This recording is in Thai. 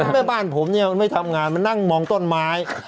แม่บ้านผมเนี่ยมันไม่ทำงานมันนั่งมองต้นไม้